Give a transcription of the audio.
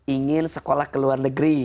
ingin sekolah ke luar negeri